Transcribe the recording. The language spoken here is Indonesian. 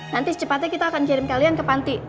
nanti secepatnya kita akan kirim kalian ke panti